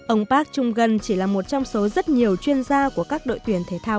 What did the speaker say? ông park chung gan chỉ là một trong số rất nhiều chuyên gia của các đội tuyển thể thao